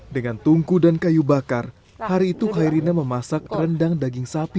dengan tungku dan kayu bakar hari itu khairina memasak rendang daging sapi